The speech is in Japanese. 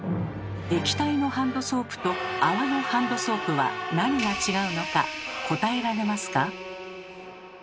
液体のハンドソープと泡のハンドソープは何が違うのか答えられますか？